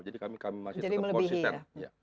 jadi kami masih tetap konsisten